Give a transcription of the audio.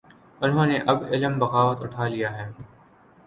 انہوں نے اب علم بغاوت اٹھا لیا ہے۔